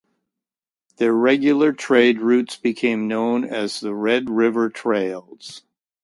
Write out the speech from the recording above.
Their regular trade routes became known as the Red River Trails.